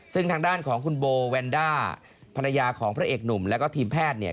ซึ่งทางด้านของคุณโบแวนด้าภรรยาของพระเอกหนุ่มแล้วก็ทีมแพทย์เนี่ย